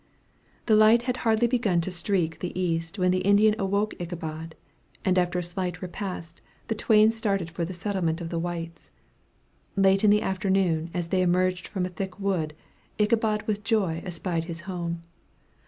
The light had hardly began to streak the east, when the Indian awoke Ichabod, and after a slight repast, the twain started for the settlement of the whites. Late in the afternoon, as they emerged from a thick wood, Ichabod with joy espied his home.